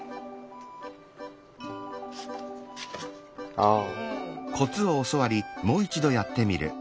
ああ。